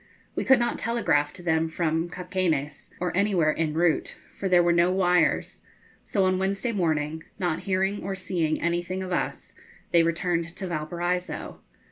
We could not telegraph to them from Cauquenes, or anywhere en route, for there were no wires; so on Wednesday morning, not hearing or seeing anything of us, they returned to Valparaiso.